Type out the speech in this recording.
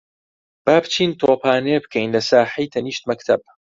با بچین تۆپانێ بکەین لە ساحەی تەنیشت مەکتەب.